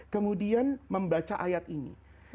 kemudian membaca ayat ini